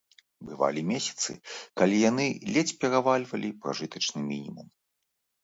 Бывалі месяцы, калі яны ледзь перавальвалі пражытачны мінімум.